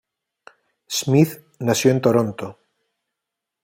Smith nació en Toronto.